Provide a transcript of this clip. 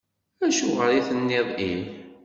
Acuɣer i d-tenniḍ ih?